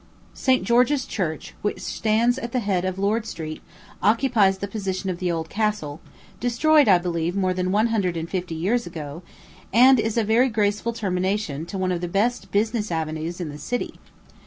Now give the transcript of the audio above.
St. George's Church, which stands at the head of Lord Street, occupies the position of the old castle, destroyed, I believe, more than one hundred and fifty years ago, and is a very graceful termination to one of the best business avenues of the city.